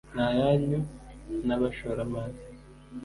ni ayanyu n’abashoramari